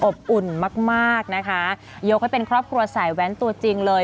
อุ่นมากมากนะคะยกให้เป็นครอบครัวสายแว้นตัวจริงเลย